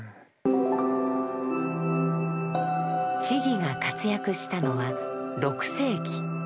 智が活躍したのは６世紀。